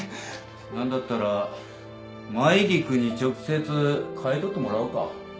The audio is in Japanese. なんだったら舞菊に直接買い取ってもらおうか。